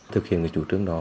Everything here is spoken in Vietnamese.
thực hiện cái chủ trương đó